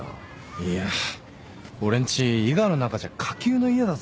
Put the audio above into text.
いや俺んち伊賀の中じゃ下級の家だぞ。